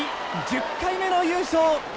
１０回目の優勝。